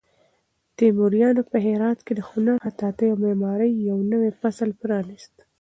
تیموریانو په هرات کې د هنر، خطاطۍ او معمارۍ یو نوی فصل پرانیست.